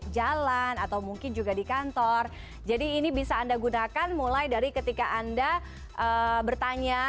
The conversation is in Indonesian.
jalan atau mungkin juga di kantor jadi ini bisa anda gunakan mulai dari ketika anda bertanya